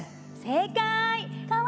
正解！